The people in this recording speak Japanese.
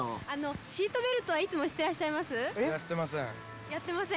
シートベルトはいつもしてらやってません。